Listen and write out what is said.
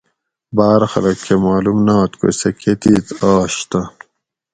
باۤر خلۤق کہ معلوم نات کو سہ کۤتیت آش تہ